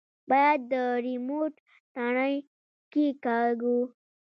بايد د ريموټ تڼۍ کښېکاږو.